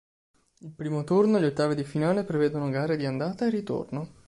Il primo turno, gli ottavi di finale, prevedono gare di andata e ritorno.